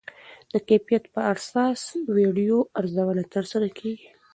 د کیفیت پر اساس ویډیو ارزونه ترسره کېږي.